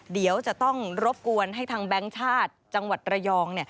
เดี๋ยวจะต้องรบกวนให้ทางแบงค์ชาติจังหวัดระยอง